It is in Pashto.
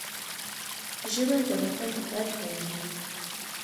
ژبه د وطن د درد بیانوي